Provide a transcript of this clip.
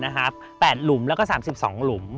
๘หลุมแล้วก็๓๒หลุม